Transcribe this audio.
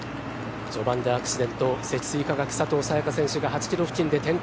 序盤でアクシデント積水化学・佐藤早也伽が８キロ付近で転倒。